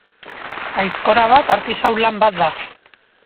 Aizkora bat artisau lan bat da.